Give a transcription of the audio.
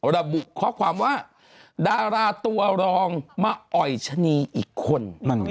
ระบุข้อความว่าดาราตัวรองมาอ่อยชะนีอีกคน